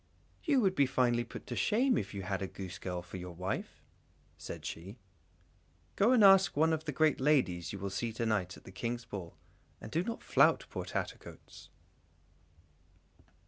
"You would be finely put to shame if you had a goosegirl for your wife!" said she; "go and ask one of the great ladies you will see to night at the King's ball, and do not flout poor Tattercoats."